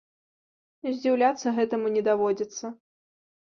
Здзіўляцца гэтаму не даводзіцца.